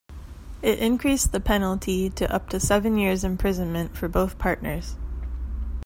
It increased the penalty to up to seven years imprisonment for both partners.